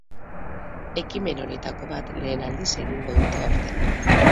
Ekimen horietako bat lehen aldiz egingo dute aurten.